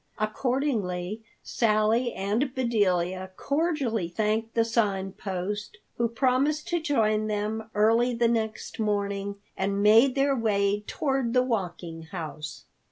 Accordingly Sally and Bedelia cordially thanked the Sign Post, who promised to join them early the next morning, and made their way toward the Walking House.